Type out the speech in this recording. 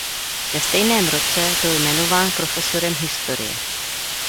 V stejném roce byl jmenován profesorem historie.